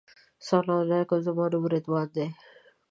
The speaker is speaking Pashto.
سلام علیکم زما نوم رضوان دی.